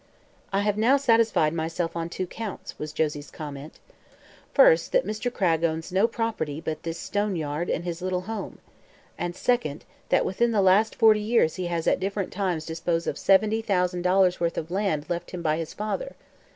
"I have now satisfied myself on two counts," was Josie's comment. "First, that Mr. Cragg owns no property but this stone yard and his little home, and second, that within the last forty years he has at different times disposed of seventy thousand dollars worth of land left him by his father.